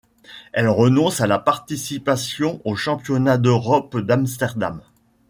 Elle renonce à sa participation aux Championnats d'Europe d'Amsterdam.